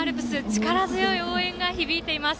力強い応援が響いています。